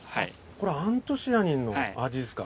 これアントシアニンの味ですか。